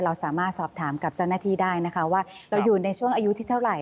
เราสามารถสอบถามกับเจ้าหน้าที่ได้นะคะว่าเราอยู่ในช่วงอายุที่เท่าไหร่